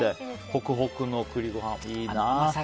ホクホクの栗ご飯いいな！